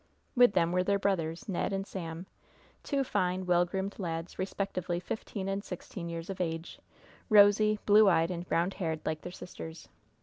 With them were their brothers, Ned and Sam, two fine, well groomed lads, respectively fifteen and sixteen years of age, rosy, blue eyed and brown haired, like their sisters.